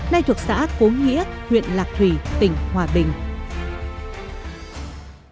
nay thuộc xã cố nghĩa huyện lạc thủy tỉnh hòa bình